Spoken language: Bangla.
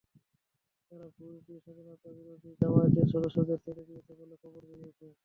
তারা ঘুষ নিয়ে স্বাধীনতাবিরোধী জামায়াতের সদস্যদেরও ছেড়ে দিয়েছে বলে খবর বেরিয়েছে।